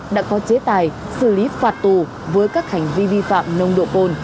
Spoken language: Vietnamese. đã có chế tài xử lý phạt tù với các hành vi vi phạm nông độ côn